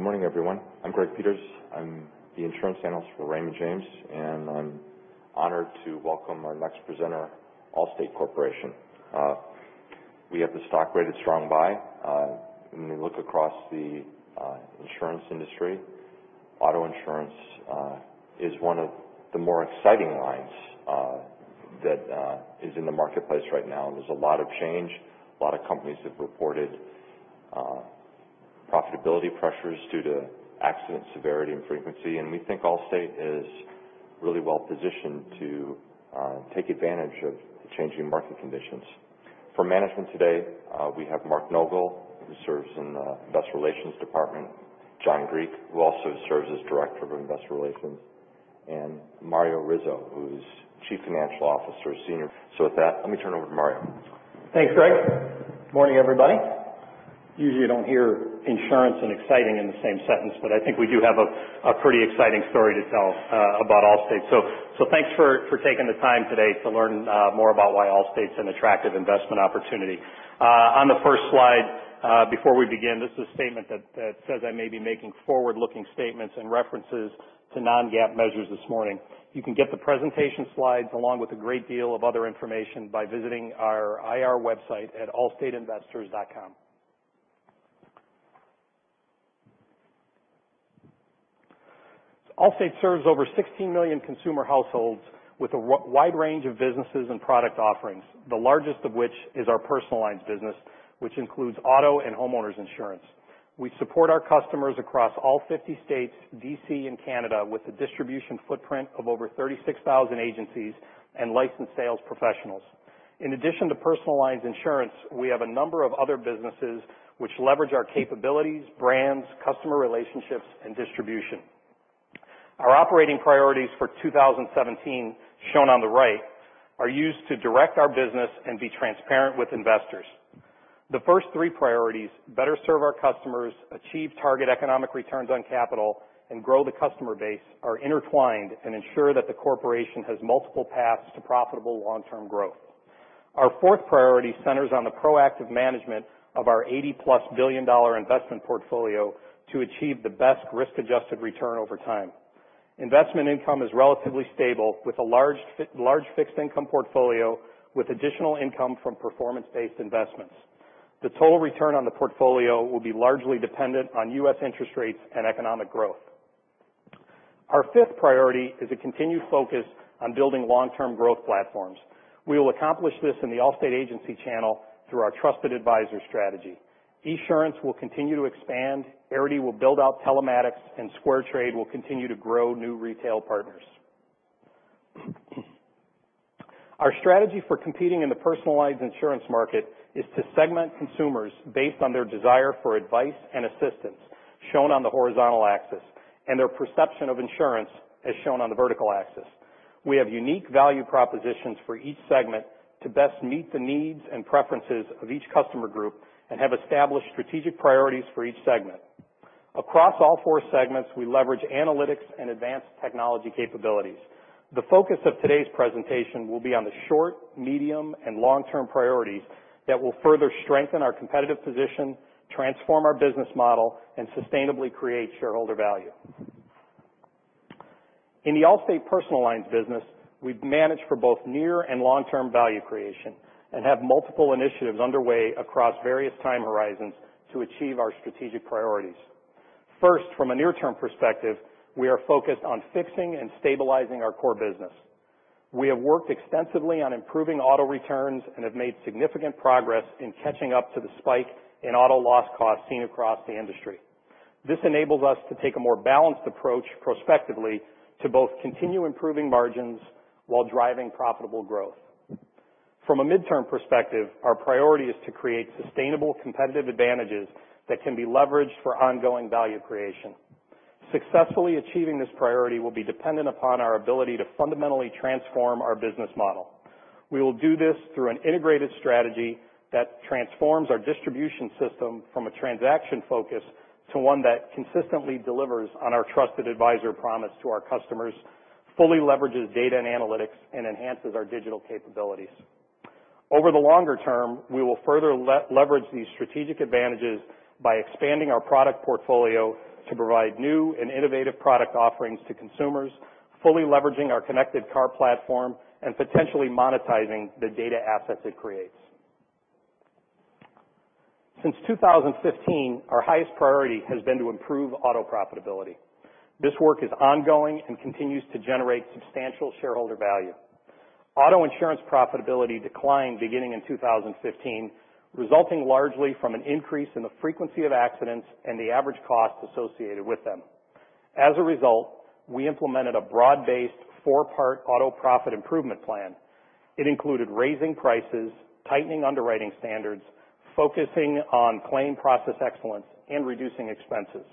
Good morning, everyone. I'm Greg Peters. I'm the insurance analyst for Raymond James, and I'm honored to welcome our next presenter, The Allstate Corporation. We have the stock rated strong buy. When we look across the insurance industry, auto insurance is one of the more exciting lines that is in the marketplace right now. There's a lot of change. A lot of companies have reported profitability pressures due to accident severity and frequency, and we think Allstate is really well positioned to take advantage of the changing market conditions. For management today, we have Mark Nogal, who serves in the Investor Relations department, John Grieco, who also serves as Director of Investor Relations, and Mario Rizzo, who's Chief Financial Officer. With that, let me turn it over to Mario. Thanks, Greg. Morning, everybody. Usually, you don't hear insurance and exciting in the same sentence, but I think we do have a pretty exciting story to tell about Allstate. Thanks for taking the time today to learn more about why Allstate's an attractive investment opportunity. On the first slide, before we begin, this is a statement that says I may be making forward-looking statements and references to non-GAAP measures this morning. You can get the presentation slides along with a great deal of other information by visiting our IR website at allstateinvestors.com. Allstate serves over 16 million consumer households with a wide range of businesses and product offerings, the largest of which is our personal lines business, which includes auto and homeowners insurance. We support our customers across all 50 states, D.C., and Canada with a distribution footprint of over 36,000 agencies and licensed sales professionals. In addition to personal lines insurance, we have a number of other businesses which leverage our capabilities, brands, customer relationships, and distribution. Our operating priorities for 2017, shown on the right, are used to direct our business and be transparent with investors. The first three priorities, better serve our customers, achieve target economic returns on capital, and grow the customer base are intertwined and ensure that the corporation has multiple paths to profitable long-term growth. Our fourth priority centers on the proactive management of our $80-plus billion investment portfolio to achieve the best risk-adjusted return over time. Investment income is relatively stable, with a large fixed income portfolio with additional income from performance-based investments. The total return on the portfolio will be largely dependent on U.S. interest rates and economic growth. Our fifth priority is a continued focus on building long-term growth platforms. We will accomplish this in the Allstate agency channel through our trusted advisor strategy. Esurance will continue to expand, Arity will build out telematics, and SquareTrade will continue to grow new retail partners. Our strategy for competing in the personalized insurance market is to segment consumers based on their desire for advice and assistance, shown on the horizontal axis, and their perception of insurance, as shown on the vertical axis. We have unique value propositions for each segment to best meet the needs and preferences of each customer group and have established strategic priorities for each segment. Across all four segments, we leverage analytics and advanced technology capabilities. The focus of today's presentation will be on the short, medium, and long-term priorities that will further strengthen our competitive position, transform our business model, and sustainably create shareholder value. In the Allstate personal lines business, we've managed for both near- and long-term value creation and have multiple initiatives underway across various time horizons to achieve our strategic priorities. First, from a near-term perspective, we are focused on fixing and stabilizing our core business. We have worked extensively on improving auto returns and have made significant progress in catching up to the spike in auto loss costs seen across the industry. This enables us to take a more balanced approach prospectively to both continue improving margins while driving profitable growth. From a midterm perspective, our priority is to create sustainable competitive advantages that can be leveraged for ongoing value creation. Successfully achieving this priority will be dependent upon our ability to fundamentally transform our business model. We will do this through an integrated strategy that transforms our distribution system from a transaction focus to one that consistently delivers on our trusted advisor promise to our customers, fully leverages data and analytics, and enhances our digital capabilities. Over the longer term, we will further leverage these strategic advantages by expanding our product portfolio to provide new and innovative product offerings to consumers, fully leveraging our connected car platform, and potentially monetizing the data assets it creates. Since 2015, our highest priority has been to improve auto profitability. This work is ongoing and continues to generate substantial shareholder value. Auto insurance profitability declined beginning in 2015, resulting largely from an increase in the frequency of accidents and the average cost associated with them. As a result, we implemented a broad-based, four-part auto profit improvement plan. It included raising prices, tightening underwriting standards, focusing on claim process excellence, and reducing expenses.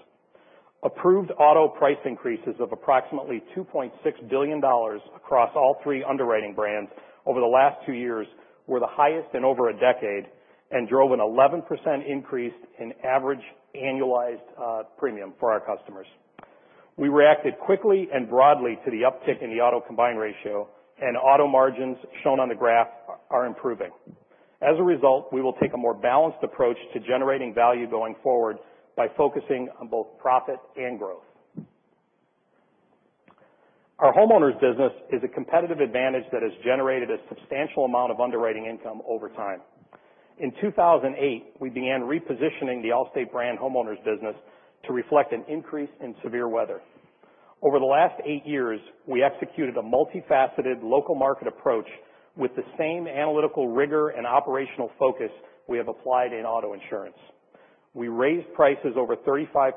Approved auto price increases of approximately $2.6 billion across all three underwriting brands over the last two years were the highest in over a decade and drove an 11% increase in average annualized premium for our customers. We reacted quickly and broadly to the uptick in the auto combined ratio, and auto margins shown on the graph are improving. As a result, we will take a more balanced approach to generating value going forward by focusing on both profit and growth. Our homeowners business is a competitive advantage that has generated a substantial amount of underwriting income over time. In 2008, we began repositioning the Allstate brand homeowners business to reflect an increase in severe weather. Over the last eight years, we executed a multifaceted local market approach with the same analytical rigor and operational focus we have applied in auto insurance. We raised prices over 35%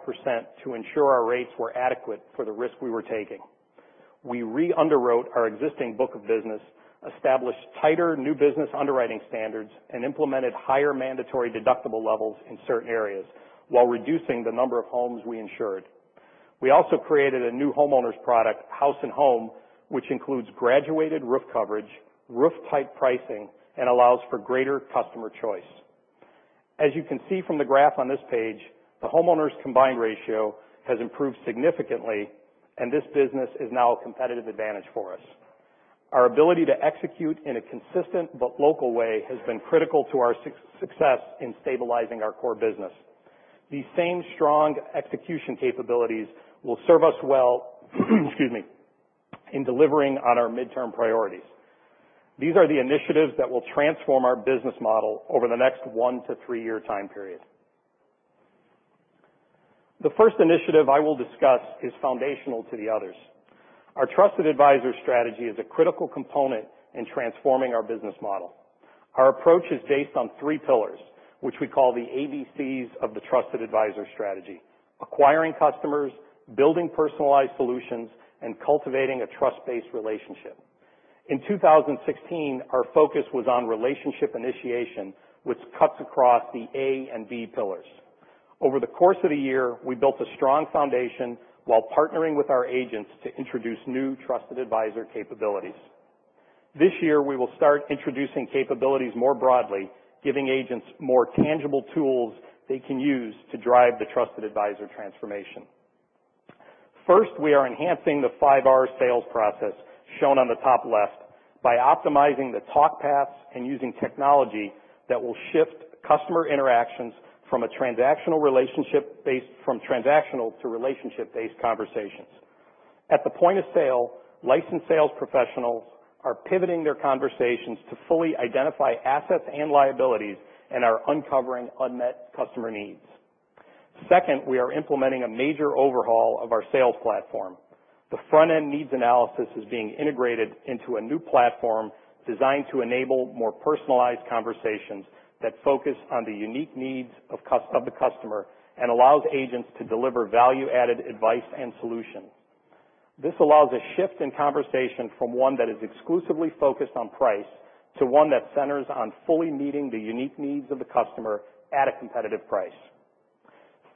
to ensure our rates were adequate for the risk we were taking. We re-underwrote our existing book of business, established tighter new business underwriting standards, and implemented higher mandatory deductible levels in certain areas while reducing the number of homes we insured. We also created a new homeowners product, House and Home, which includes graduated roof coverage, roof type pricing, and allows for greater customer choice. As you can see from the graph on this page, the homeowners combined ratio has improved significantly, and this business is now a competitive advantage for us. Our ability to execute in a consistent but local way has been critical to our success in stabilizing our core business. These same strong execution capabilities will serve us well in delivering on our midterm priorities. These are the initiatives that will transform our business model over the next 1-3 year time period. The first initiative I will discuss is foundational to the others. Our trusted advisor strategy is a critical component in transforming our business model. Our approach is based on three pillars, which we call the ABCs of the trusted advisor strategy, acquiring customers, building personalized solutions, and cultivating a trust-based relationship. In 2016, our focus was on relationship initiation, which cuts across the A and B pillars. Over the course of the year, we built a strong foundation while partnering with our agents to introduce new trusted advisor capabilities. This year, we will start introducing capabilities more broadly, giving agents more tangible tools they can use to drive the trusted advisor transformation. First, we are enhancing the 5R sales process shown on the top left by optimizing the talk paths and using technology that will shift customer interactions from transactional to relationship-based conversations. At the point of sale, licensed sales professionals are pivoting their conversations to fully identify assets and liabilities and are uncovering unmet customer needs. Second, we are implementing a major overhaul of our sales platform. The front-end needs analysis is being integrated into a new platform designed to enable more personalized conversations that focus on the unique needs of the customer and allows agents to deliver value-added advice and solutions. This allows a shift in conversation from one that is exclusively focused on price to one that centers on fully meeting the unique needs of the customer at a competitive price.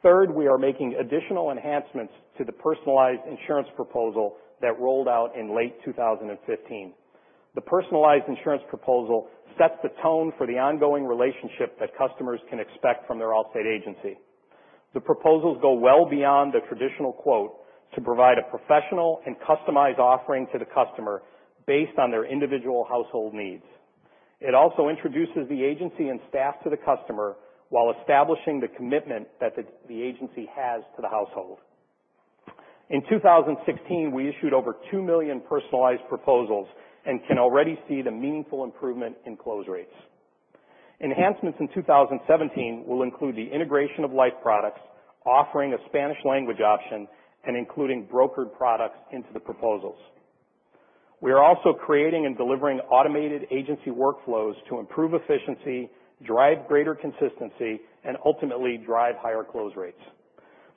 Third, we are making additional enhancements to the personalized insurance proposal that rolled out in late 2015. The personalized insurance proposal sets the tone for the ongoing relationship that customers can expect from their Allstate agency. The proposals go well beyond the traditional quote to provide a professional and customized offering to the customer based on their individual household needs. It also introduces the agency and staff to the customer while establishing the commitment that the agency has to the household. In 2016, we issued over 2 million personalized proposals and can already see the meaningful improvement in close rates. Enhancements in 2017 will include the integration of life products, offering a Spanish language option, and including brokered products into the proposals. We are also creating and delivering automated agency workflows to improve efficiency, drive greater consistency, and ultimately drive higher close rates.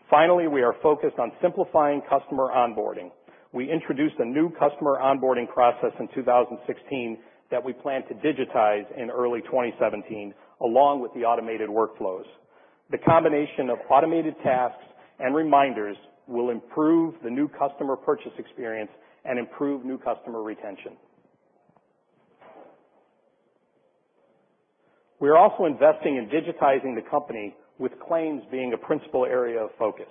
Finally, we are focused on simplifying customer onboarding. We introduced a new customer onboarding process in 2016 that we plan to digitize in early 2017, along with the automated workflows. The combination of automated tasks and reminders will improve the new customer purchase experience and improve new customer retention. We are also investing in digitizing the company, with claims being a principal area of focus.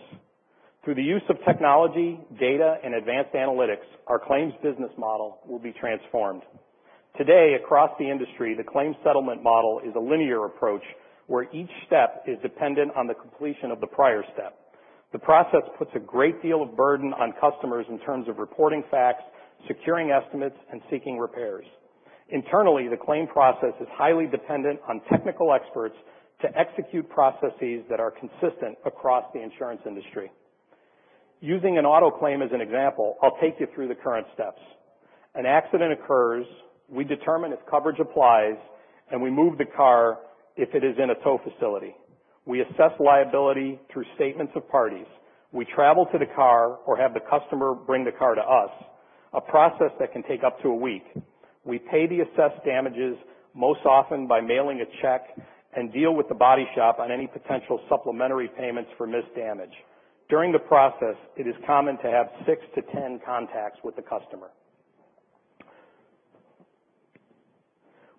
Through the use of technology, data, and advanced analytics, our claims business model will be transformed. Today, across the industry, the claims settlement model is a linear approach where each step is dependent on the completion of the prior step. The process puts a great deal of burden on customers in terms of reporting facts, securing estimates, and seeking repairs. Internally, the claim process is highly dependent on technical experts to execute processes that are consistent across the insurance industry. Using an auto claim as an example, I'll take you through the current steps. An accident occurs, we determine if coverage applies, and we move the car if it is in a tow facility. We assess liability through statements of parties. We travel to the car or have the customer bring the car to us, a process that can take up to a week. We pay the assessed damages, most often by mailing a check, and deal with the body shop on any potential supplementary payments for missed damage. During the process, it is common to have six to 10 contacts with the customer.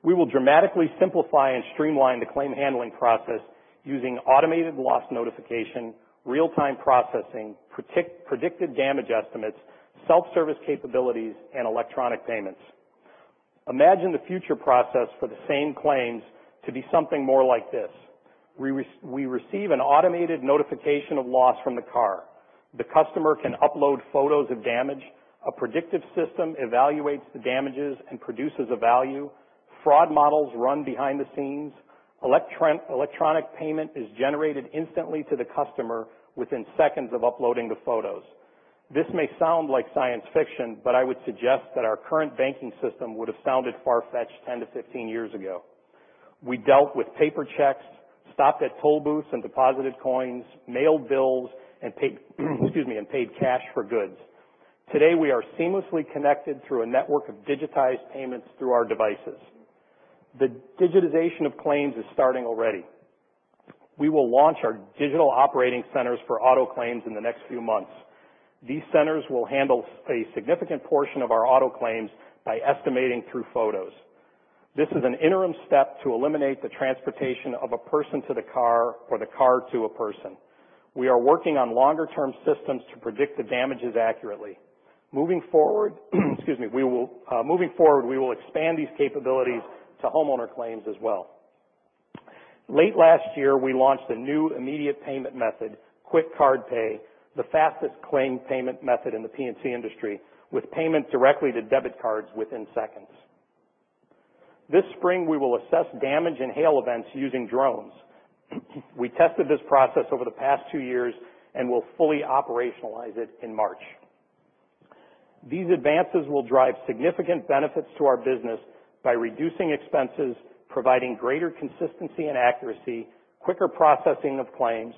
We will dramatically simplify and streamline the claim handling process using automated loss notification, real-time processing, predicted damage estimates, self-service capabilities, and electronic payments. Imagine the future process for the same claims to be something more like this. We receive an automated notification of loss from the car. The customer can upload photos of damage. A predictive system evaluates the damages and produces a value. Fraud models run behind the scenes. Electronic payment is generated instantly to the customer within seconds of uploading the photos. This may sound like science fiction, but I would suggest that our current banking system would have sounded far-fetched 10 to 15 years ago. We dealt with paper checks, stopped at toll booths and deposited coins, mailed bills, and paid cash for goods. Today, we are seamlessly connected through a network of digitized payments through our devices. The digitization of claims is starting already. We will launch our digital operating centers for auto claims in the next few months. These centers will handle a significant portion of our auto claims by estimating through photos. This is an interim step to eliminate the transportation of a person to the car or the car to a person. We are working on longer-term systems to predict the damages accurately. Moving forward, we will expand these capabilities to homeowner claims as well. Late last year, we launched a new immediate payment method, QuickCard Pay, the fastest claim payment method in the P&C industry, with payment directly to debit cards within seconds. This spring, we will assess damage and hail events using drones. We tested this process over the past two years and will fully operationalize it in March. These advances will drive significant benefits to our business by reducing expenses, providing greater consistency and accuracy, quicker processing of claims,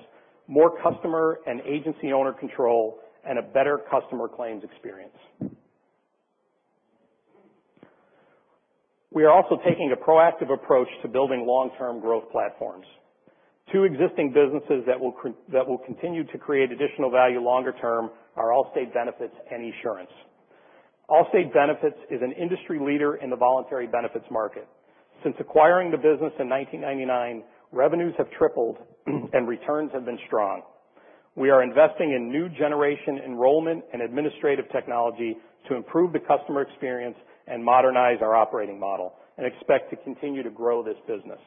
more customer and agency owner control, and a better customer claims experience. We are also taking a proactive approach to building long-term growth platforms. Two existing businesses that will continue to create additional value longer term are Allstate Benefits and Esurance. Allstate Benefits is an industry leader in the voluntary benefits market. Since acquiring the business in 1999, revenues have tripled and returns have been strong. We are investing in new generation enrollment and administrative technology to improve the customer experience and modernize our operating model and expect to continue to grow this business.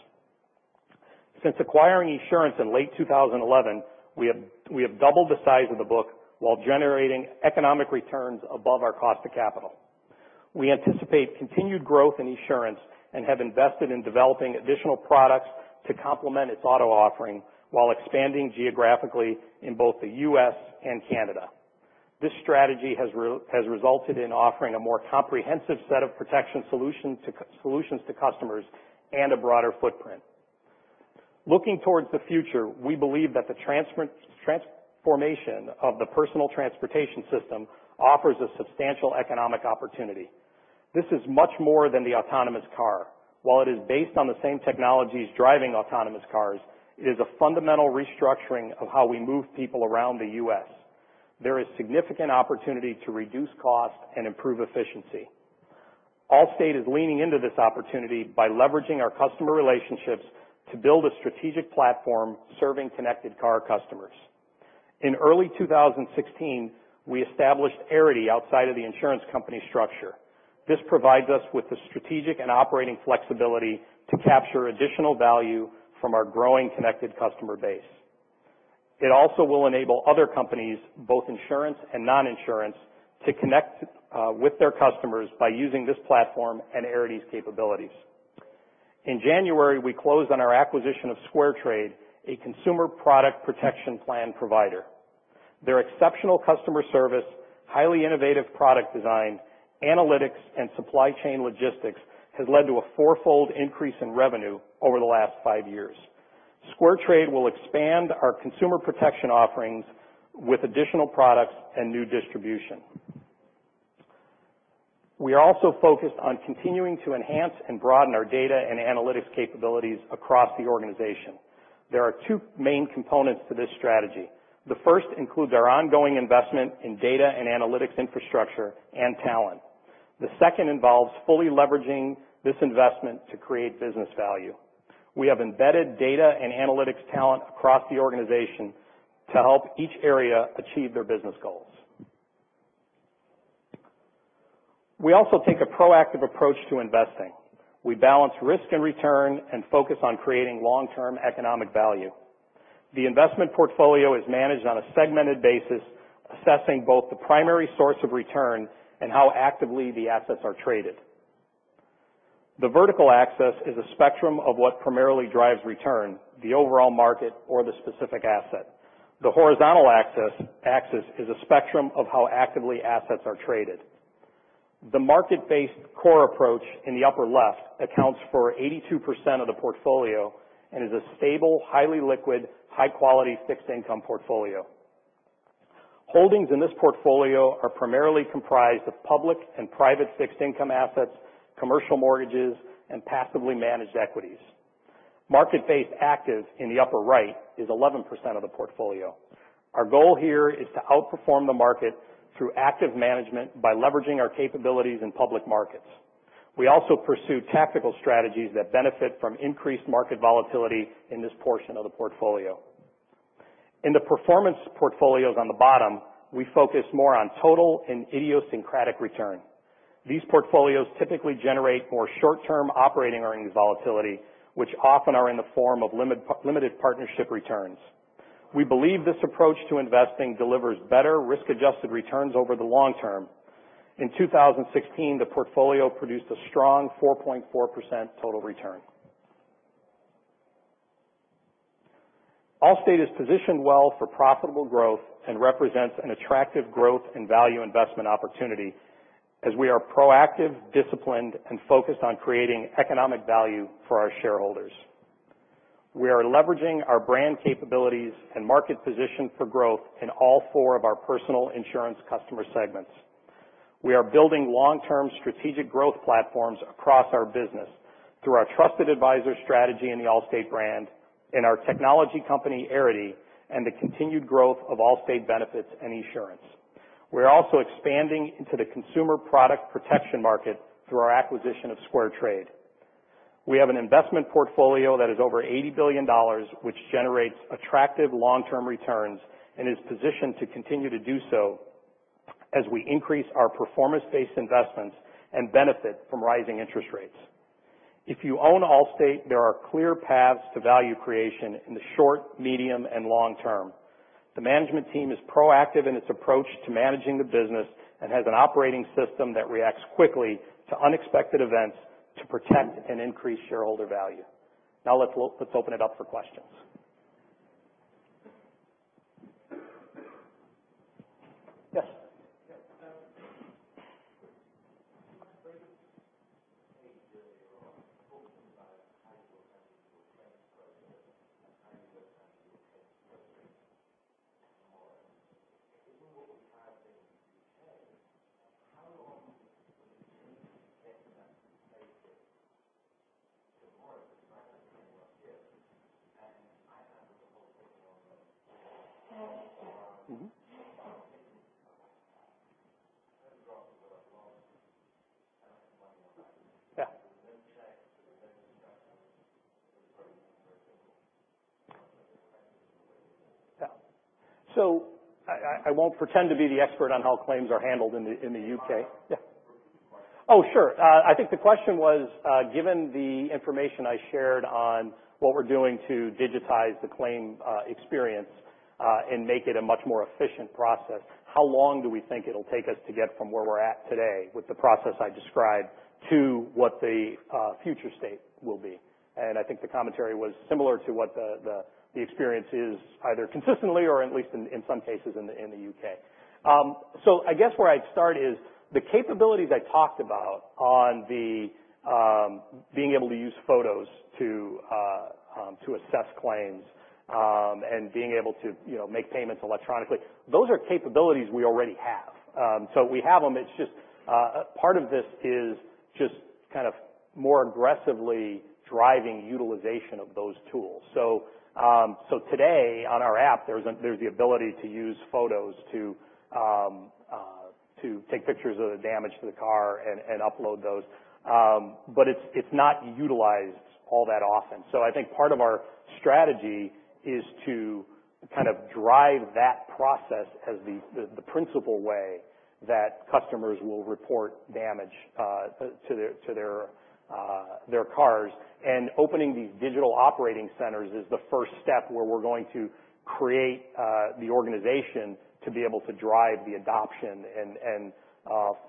Since acquiring Esurance in late 2011, we have doubled the size of the book while generating economic returns above our cost of capital. We anticipate continued growth in Esurance and have invested in developing additional products to complement its auto offering while expanding geographically in both the U.S. and Canada. This strategy has resulted in offering a more comprehensive set of protection solutions to customers and a broader footprint. Looking towards the future, we believe that the transformation of the personal transportation system offers a substantial economic opportunity. This is much more than the autonomous car. While it is based on the same technologies driving autonomous cars, it is a fundamental restructuring of how we move people around the U.S. There is significant opportunity to reduce cost and improve efficiency. Allstate is leaning into this opportunity by leveraging our customer relationships to build a strategic platform serving connected car customers. In early 2016, we established Arity outside of the insurance company structure. This provides us with the strategic and operating flexibility to capture additional value from our growing connected customer base. It also will enable other companies, both insurance and non-insurance, to connect with their customers by using this platform and Arity's capabilities. In January, we closed on our acquisition of SquareTrade, a consumer product protection plan provider. Their exceptional customer service, highly innovative product design, analytics, and supply chain logistics has led to a fourfold increase in revenue over the last five years. SquareTrade will expand our consumer protection offerings with additional products and new distribution. We are also focused on continuing to enhance and broaden our data and analytics capabilities across the organization. There are two main components to this strategy. The first includes our ongoing investment in data and analytics infrastructure and talent. The second involves fully leveraging this investment to create business value. We have embedded data and analytics talent across the organization to help each area achieve their business goals. We also take a proactive approach to investing. We balance risk and return and focus on creating long-term economic value. The investment portfolio is managed on a segmented basis, assessing both the primary source of return and how actively the assets are traded. The vertical axis is a spectrum of what primarily drives return, the overall market or the specific asset. The horizontal axis is a spectrum of how actively assets are traded. The market-based core approach in the upper left accounts for 82% of the portfolio and is a stable, highly liquid, high-quality fixed income portfolio. Holdings in this portfolio are primarily comprised of public and private fixed income assets, commercial mortgages, and passively managed equities. Market-based active in the upper right is 11% of the portfolio. Our goal here is to outperform the market through active management by leveraging our capabilities in public markets. We also pursue tactical strategies that benefit from increased market volatility in this portion of the portfolio. In the performance portfolios on the bottom, we focus more on total and idiosyncratic return. These portfolios typically generate more short-term operating earnings volatility, which often are in the form of limited partnership returns. We believe this approach to investing delivers better risk-adjusted returns over the long term. In 2016, the portfolio produced a strong 4.4% total return. Allstate is positioned well for profitable growth and represents an attractive growth and value investment opportunity, as we are proactive, disciplined, and focused on creating economic value for our shareholders. We are leveraging our brand capabilities and market position for growth in all four of our personal insurance customer segments. We are building long-term strategic growth platforms across our business through our trusted advisor strategy in the Allstate brand, in our technology company, Arity, and the continued growth of Allstate Benefits and Esurance. We're also expanding into the consumer product protection market through our acquisition of SquareTrade. We have an investment portfolio that is over $80 billion, which generates attractive long-term returns and is positioned to continue to do so as we increase our performance-based investments and benefit from rising interest rates. If you own Allstate, there are clear paths to value creation in the short, medium, and long term. The management team is proactive in its approach to managing the business and has an operating system that reacts quickly to unexpected events to protect and increase shareholder value. Let's open it up for questions. Yes. Yes. You were talking earlier on about how you were planning your claims process and how you were planning your claims process tomorrow. Given what we've heard in the U.K., how long will it take to get to that space of tomorrow? I won't pretend to be the expert on how claims are handled in the U.K. I'll repeat the question. Oh, sure. I think the question was, given the information I shared on what we're doing to digitize the claim experience and make it a much more efficient process, how long do we think it'll take us to get from where we're at today with the process I described to what the future state will be? I think the commentary was similar to what the experience is, either consistently or at least in some cases in the U.K. I guess where I'd start is the capabilities I talked about on being able to use photos to assess claims, and being able to make payments electronically. Those are capabilities we already have. We have them, it's just a part of this is just more aggressively driving utilization of those tools. Today on our app, there's the ability to use photos to take pictures of the damage to the car and upload those. It's not utilized all that often. I think part of our strategy is to drive that process as the principal way that customers will report damage to their cars. Opening these digital operating centers is the first step where we're going to create the organization to be able to drive the adoption and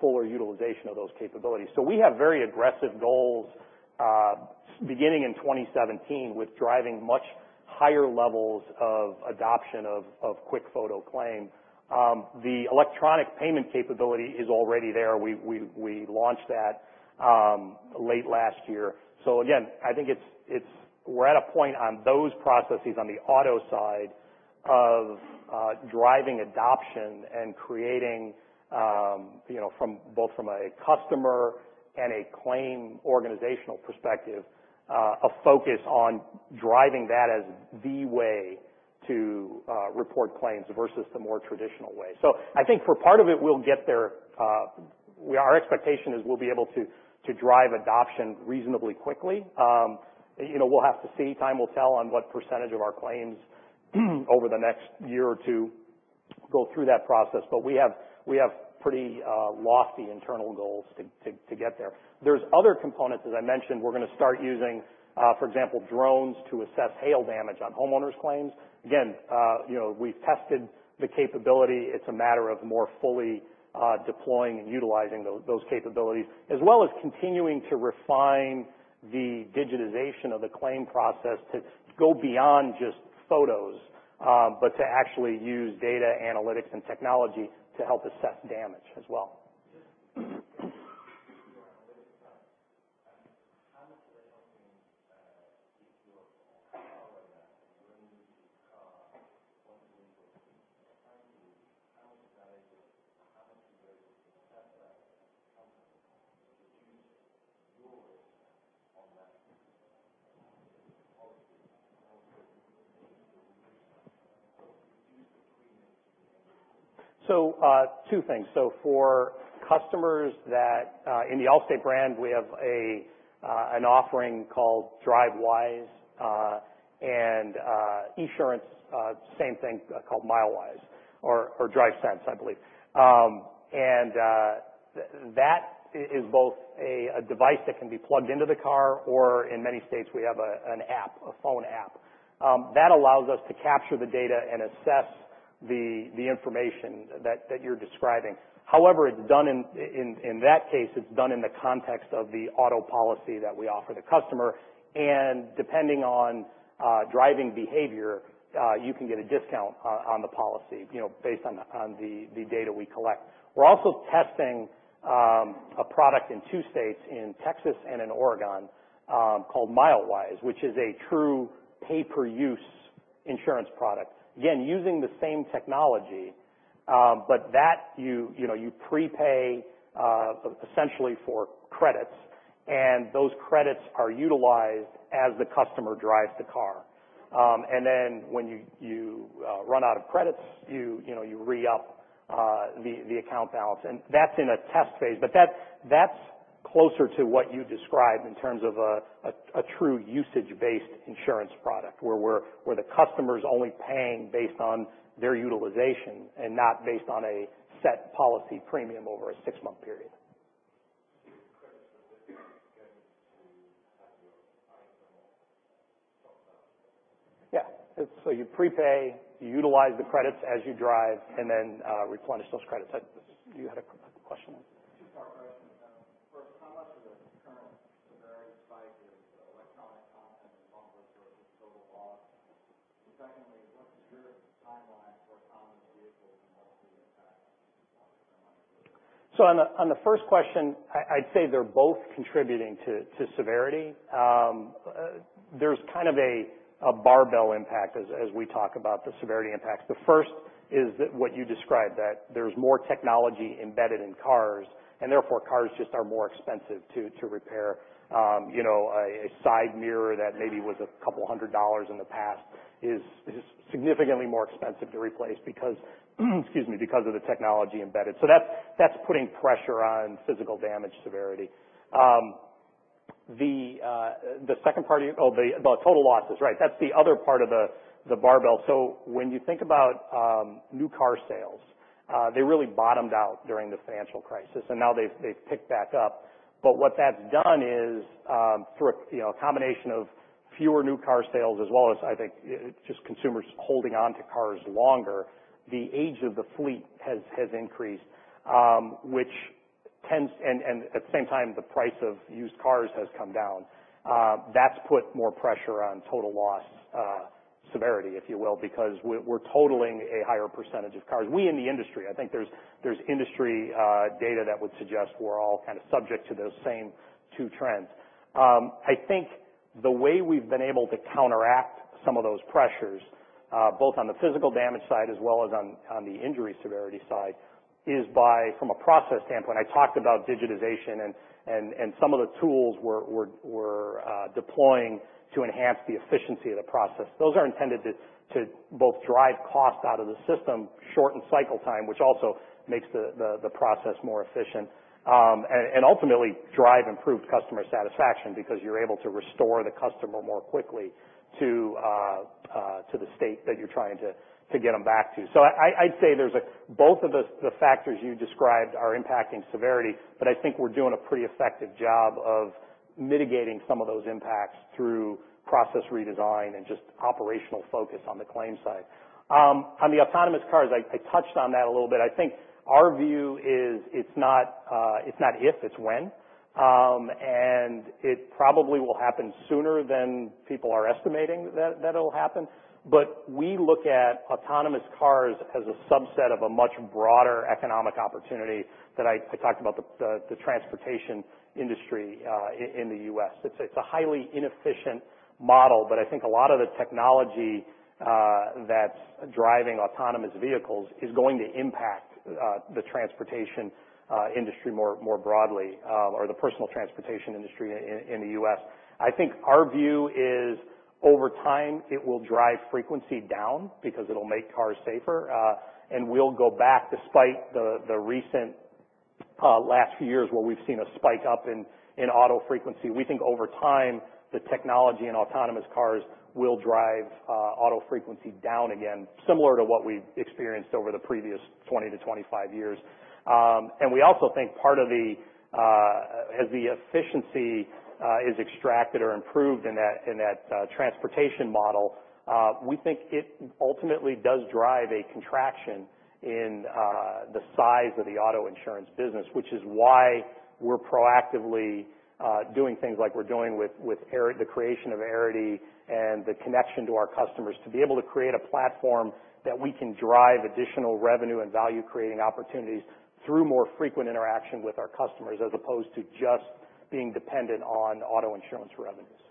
fuller utilization of those capabilities. We have very aggressive goals, beginning in 2017 with driving much higher levels of adoption of QuickFoto Claim. The electronic payment capability is already there. We launched that late last year. Again, I think we're at a point on those processes on the auto side of driving adoption and creating both from a customer and a claim organizational perspective, a focus on driving that as the way to report claims versus the more traditional way. I think for part of it, we'll get there. Our expectation is we'll be able to drive adoption reasonably quickly. We'll have to see, time will tell on what percentage of our claims over the next year or two go through that process. We have pretty lofty internal goals to get there. There's other components, as I mentioned. We're going to start using, for example, drones to assess hail damage on homeowners' claims. Again, we've tested the capability. It's a matter of more fully deploying and utilizing those capabilities, as well as continuing to refine the digitization of the claim process to go beyond just photos, but to actually use data analytics and technology to help assess damage as well. Just on the analytics side, how much are they helping keep your- To use yours on that policy use the premium? Two things. For customers in the Allstate brand, we have an offering called Drivewise, and Esurance, same thing, called Milewise or DriveSense, I believe. That is both a device that can be plugged into the car or in many states, we have an app, a phone app. That allows us to capture the data and assess the information that you're describing. However, in that case, it's done in the context of the auto policy that we offer the customer, and depending on driving behavior, you can get a discount on the policy based on the data we collect. We're also testing a product in two states, in Texas and in Oregon, called Milewise, which is a true pay-per-use insurance product. Using the same technology, but that you pre-pay, essentially for credits, and those credits are utilized as the customer drives the car. When you run out of credits, you re-up the account balance. That's in a test phase, but that's closer to what you described in terms of a true usage-based insurance product where the customer's only paying based on their utilization and not based on a set policy premium over a six-month period. Your credits are then going to have your Yeah. You prepay, you utilize the credits as you drive, and then replenish those credits. You had a question? Two-part question, team. First, how much of the current severity spike is electronic content and bumper versus total loss? Secondly, what is your timeline for autonomous vehicles and what's the impact on premium? On the first question, I'd say they're both contributing to severity. There's kind of a barbell impact as we talk about the severity impacts. The first is that what you described, that there's more technology embedded in cars, and therefore, cars just are more expensive to repair. A side mirror that maybe was a couple hundred dollars in the past is significantly more expensive to replace because excuse me, because of the technology embedded. That's putting pressure on physical damage severity. The second part, the total losses. That's the other part of the barbell. When you think about new car sales, they really bottomed out during the financial crisis. Now they've picked back up. What that's done is through a combination of fewer new car sales, as well as I think just consumers holding onto cars longer, the age of the fleet has increased. At the same time, the price of used cars has come down. That's put more pressure on total loss severity, if you will, because we're totaling a higher percentage of cars. We in the industry. I think there's industry data that would suggest we're all kind of subject to those same two trends. I think the way we've been able to counteract some of those pressures, both on the physical damage side as well as on the injury severity side, is by, from a process standpoint, I talked about digitization and some of the tools we're deploying to enhance the efficiency of the process. Those are intended to both drive cost out of the system, shorten cycle time, which also makes the process more efficient. Ultimately drive improved customer satisfaction because you're able to restore the customer more quickly to the state that you're trying to get them back to. I'd say both of the factors you described are impacting severity, but I think we're doing a pretty effective job of mitigating some of those impacts through process redesign and just operational focus on the claims side. On the autonomous cars, I touched on that a little bit. I think our view is it's not if, it's when. It probably will happen sooner than people are estimating that it'll happen. We look at autonomous cars as a subset of a much broader economic opportunity that I talked about the transportation industry in the U.S. It's a highly inefficient model, but I think a lot of the technology that's driving autonomous vehicles is going to impact the transportation industry more broadly, or the personal transportation industry in the U.S. I think our view is over time, it will drive frequency down because it'll make cars safer. We'll go back despite the recent last few years where we've seen a spike up in auto frequency. We think over time, the technology in autonomous cars will drive auto frequency down again, similar to what we've experienced over the previous 20 to 25 years. We also think as the efficiency is extracted or improved in that transportation model, we think it ultimately does drive a contraction in the size of the auto insurance business, which is why we're proactively doing things like we're doing with the creation of Arity and the connection to our customers to be able to create a platform that we can drive additional revenue and value-creating opportunities through more frequent interaction with our customers, as opposed to just being dependent on auto insurance revenues.